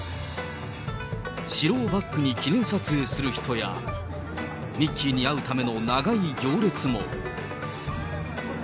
城をバックに記念撮影する人や、ミッキーに会うための長い行列も。